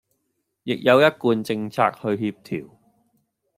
亦有一貫政策去協調